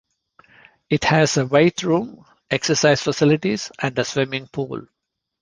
It has a weight room, exercise facilities, and a swimming pool.